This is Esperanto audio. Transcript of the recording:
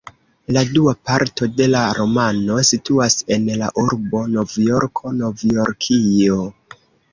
La dua parto de la romano situas en la urbo Novjorko, Novjorkio.